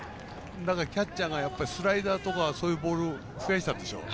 だから、キャッチャーがスライダーとかそういうボールを使い出したでしょう。